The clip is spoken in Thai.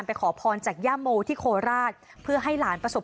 นี้เจนเทปยาเชิป